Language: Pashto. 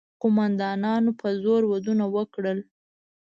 قوماندانانو په زور ودونه وکړل.